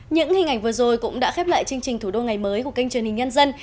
những hình ảnh vừa rồi cũng đã khép lại chương trình thủ đô ngày mới của kênh truyền hình nhân dân